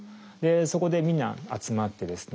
そこでみんな集まってですね